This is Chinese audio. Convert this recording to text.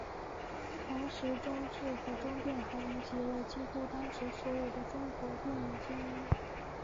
同时中制和中电还云集了几乎当时所有的中国电影精英。